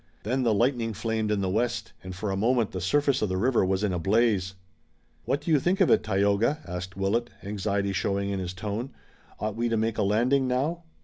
Then the lightning flamed in the west, and for a moment the surface of the river was in a blaze. "What do you think of it, Tayoga?" asked Willet, anxiety showing in his tone, "Ought we to make a landing now?"